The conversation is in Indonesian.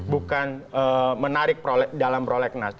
bukan menarik dalam prolegnas